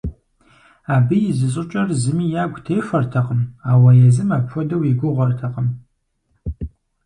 Абы и зыщӏыкӏэр зыми ягу техуэртэкъым, ауэ езым апхуэдэу и гугъэтэкъым.